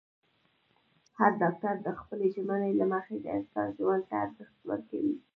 هر ډاکټر د خپلې ژمنې له مخې د انسان ژوند ته ارزښت ورکوي.